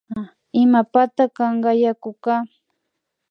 Imapata kanka yakuka